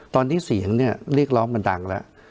ตอนนี้เสียงเนี่ยเรียกร้องมันดังแล้ว